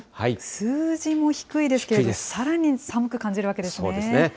数字も低いですけれども、さらに寒く感じるわけですね。